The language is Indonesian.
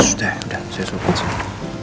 udah udah saya sobat sini